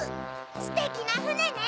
ステキなふねね！